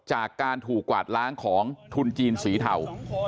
จากการถูกกวาดล้างของทุนจีนสีเทา